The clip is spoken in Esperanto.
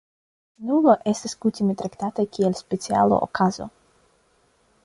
Nulo estas kutime traktata kiel speciala okazo.